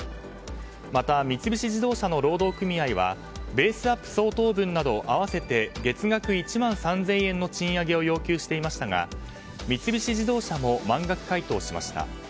また、三菱自動車の労働組合はベースアップ相当分など合わせて月額１万３０００円の賃上げを要求していましたが三菱自動車も満額回答しました。